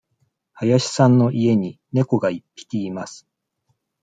林さんの家に猫が一匹います。